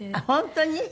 本当に？